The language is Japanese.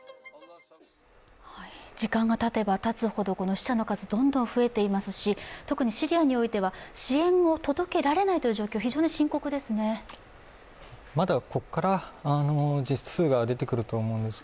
時間がたてばたつほど死者の数、どんどん増えていますし特にシリアにおいては支援を届けられないという状況、非常に深刻ですね。